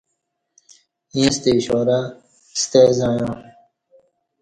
ایݩستہ اشارہ ستہ زعݩیا